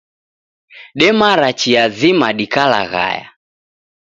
Demara chia zima dikalaghaya